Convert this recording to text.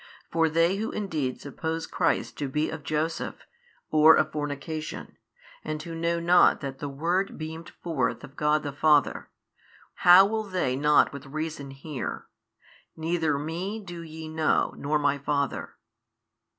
For they who indeed suppose Christ to be of Joseph, or of fornication, and who know not that the Word beamed forth of God the Father, how will they not with reason hear, Neither Me do ye know nor My Father?